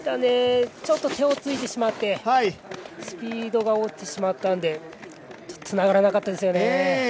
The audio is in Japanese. ちょっと手をついてしまいスピードが落ちてしまったのでちょっとつながらなかったですね。